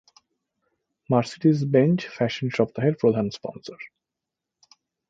Mercedes-Benz fashion সপ্তাহের প্রধান sponsor.